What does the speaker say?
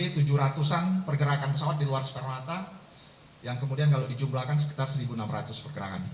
jadi itu adalah keputusan pergerakan pesawat di luar soekarno hatta yang kemudian kalau dijumlahkan sekitar satu enam ratus pergerakan